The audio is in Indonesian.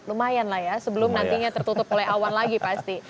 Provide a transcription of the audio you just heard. lumayan lah ya sebelum nantinya tertutup oleh awan lagi pasti